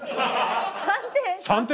３点。